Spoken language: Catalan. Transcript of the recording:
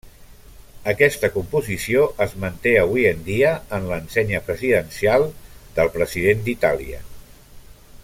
Aquesta composició es manté avui en dia en l'ensenya presidencial del President d'Itàlia.